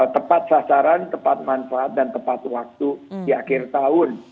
tepat sasaran tepat manfaat dan tepat waktu di akhir tahun